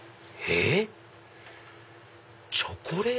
えっ？